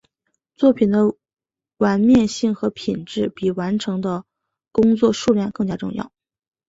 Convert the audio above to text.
作品的完面性和品质比完成的工作数量更加重要。